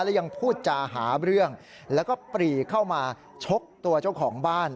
และยังพูดจาหาเรื่องแล้วก็ปรีเข้ามาชกตัวเจ้าของบ้าน